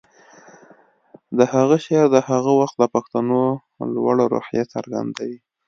د هغه شعر د هغه وخت د پښتنو لوړه روحیه څرګندوي